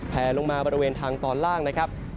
แผลลงมาบริเวณทางตอนล่างนะครับ